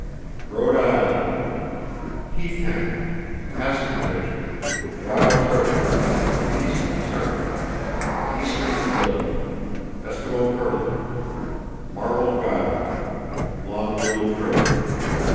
Rhode Island: Heath hen, passenger pigeon, wild turkey, least tern, eastern willet, Eskimo curlew, marbled godwit, long billed curlew.